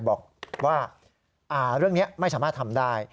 บอกว่าเรื่องนี้ไม่สามารถทำได้